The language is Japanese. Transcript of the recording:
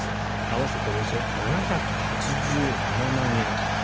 合わせておよそ７８７万円。